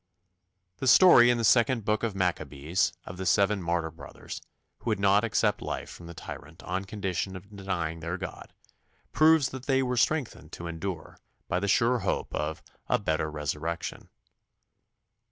" The story in the second book of Maccabees of the seven martyr brothers, who would not accept life from the tyrant on condition of denying their God, proves that they were strengthened to endure by the sure hope of "a better resurrection."